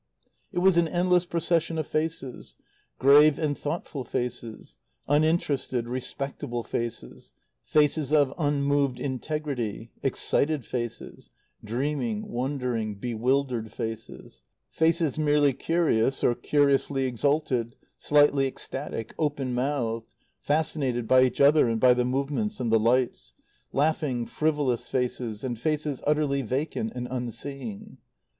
It was an endless procession of faces; grave and thoughtful faces; uninterested, respectable faces; faces of unmoved integrity; excited faces; dreaming, wondering, bewildered faces; faces merely curious, or curiously exalted, slightly ecstatic, open mouthed, fascinated by each other and by the movements and the lights; laughing, frivolous faces, and faces utterly vacant and unseeing.